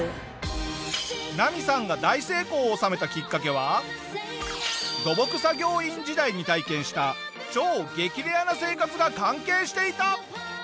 ナミさんが大成功を収めたきっかけは土木作業員時代に体験した超激レアな生活が関係していた！